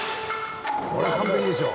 これは完璧でしょ。